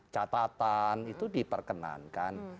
catatan itu diperkenankan